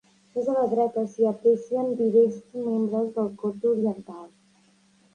Més a la dreta s'hi aprecien diversos membres de la cort oriental.